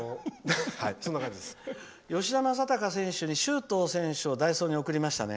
吉田正尚選手に周東選手を代走に送りましたね。